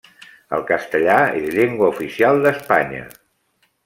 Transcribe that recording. El castellà és llengua oficial d'Espanya.